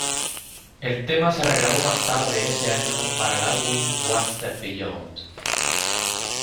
El tema se regrabó más tarde ese año para el álbum One Step Beyond...